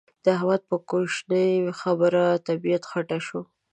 د احمد په کوشنۍ خبره طبيعت خټه شو.